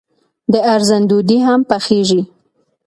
د ارزن ډوډۍ هم پخیږي.